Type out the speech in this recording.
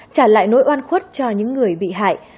trả lại nỗi oan khuất cho những người bị hại